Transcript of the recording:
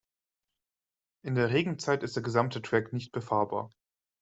In der Regenzeit ist der gesamte Track nicht befahrbar.